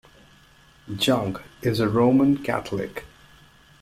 Jung is a Roman Catholic.